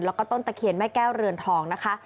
แล้วก็ต้นตะเคียนแม่แก้วเรือนทองนะคะ